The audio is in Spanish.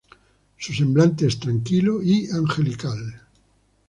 Su semblante es tranquilo y angelical.